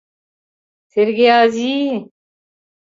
Сергей ази-и-и!..